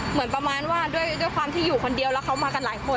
เหมือนประมาณว่าด้วยความที่อยู่คนเดียวแล้วเขามากันหลายคน